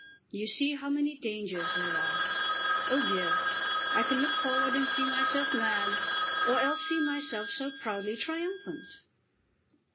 You see how many dangers there are. Oh dear! I can look forward and see myself mad, or else see myself so proudly triumphant!"